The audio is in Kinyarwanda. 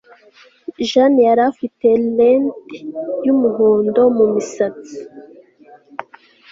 Jane yari afite lente yumuhondo mumisatsi